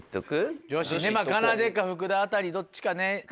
かなでか福田あたりどっちかね。